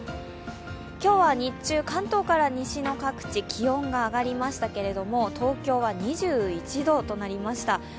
今日は日中、関東から西の各地気温が上がりましたけれども、東京は２１度となりました。